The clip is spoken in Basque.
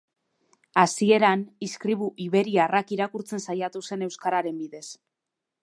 Hasieran, izkribu iberiarrak irakurtzen saiatu zen euskararen bidez.